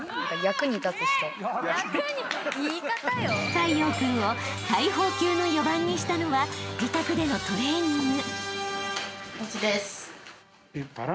［太陽君を大砲級の４番にしたのは自宅でのトレーニング］